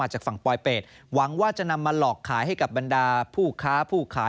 หวังว่าจะนำมาหลอดขายให้กับบรรดาผู้ค้าผู้ขาย